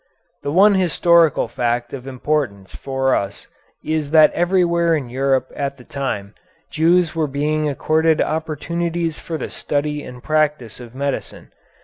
The one historical fact of importance for us is that everywhere in Europe at that time Jews were being accorded opportunities for the study and practice of medicine.